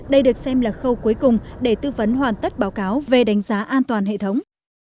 đây được xem là khâu cuối cùng để tư vấn hoàn tất báo cáo về đánh giá an toàn hệ thống